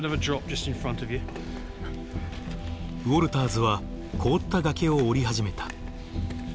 ウォルターズは凍った崖を降り始めた。